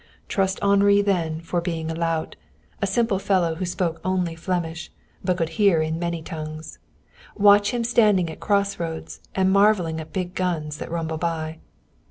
Trust Henri then for being a lout, a simple fellow who spoke only Flemish but could hear in many tongues. Watch him standing at crossroads and marveling at big guns that rumble by.